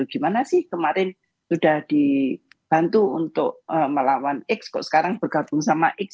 gimana sih kemarin sudah dibantu untuk melawan x kok sekarang bergabung sama x